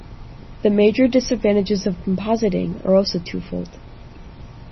The major disadvantages of compositing are also twofold.